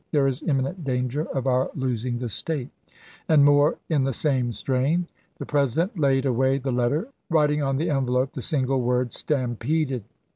There is ms. imminent danger of our losing the State"; and more in the same strain. The President laid away the letter, writing on the envelope the single word, "Stampeded."